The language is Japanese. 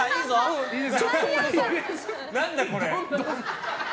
何だこれ。